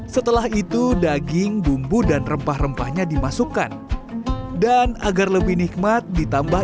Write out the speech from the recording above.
setelah itu daging bumbu dan rempah rempahnya dimasukkan dan agar lebih nikmat ditambah